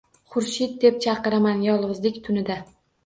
«Xurshid!» deb chaqiraman yolg’izlik tunida.